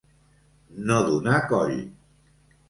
No donar coll.